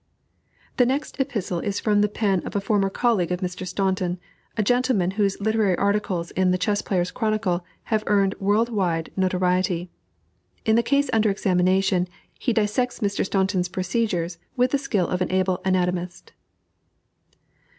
The next epistle is from the pen of a former colleague of Mr. Staunton, a gentleman whose literary articles in the Chess Players' Chronicle have earned world wide notoriety. In the case under examination, he dissects Mr. Staunton's procedures with the skill of an able anatomist.